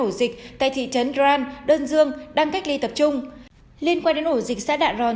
ổ dịch tại thị trấn gran đơn dương đang cách ly tập trung liên quan đến ổ dịch xã đạ ròn